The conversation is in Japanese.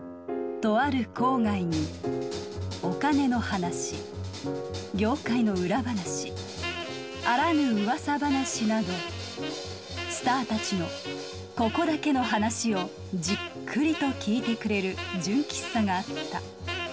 とある郊外にお金の話業界の裏話あらぬうわさ話などスターたちのここだけの話をじっくりと聞いてくれる純喫茶があった。